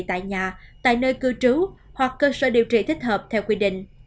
tại nhà tại nơi cư trú hoặc cơ sở điều trị thích hợp theo quy định